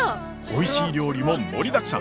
おいしい料理も盛りだくさん！